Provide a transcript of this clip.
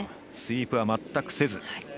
スイープは全くせず。